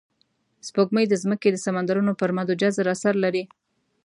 سپوږمۍ د ځمکې د سمندرونو پر مد او جزر اثر لري